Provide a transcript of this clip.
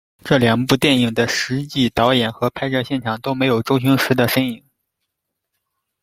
这两部电影的实际导演和拍摄现场都没有周星驰的身影。